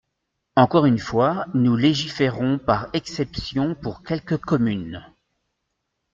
Encore une fois, nous légiférons par exception pour quelques communes.